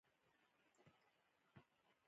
سهار د رڼا په لور سفر دی.